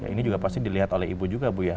ini juga pasti dilihat oleh ibu juga bu ya